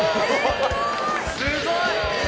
「すごい！」